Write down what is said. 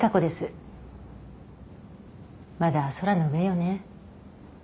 まだ空の上よね？